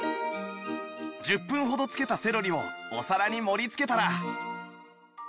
１０分ほど漬けたセロリをお皿に盛り付けたら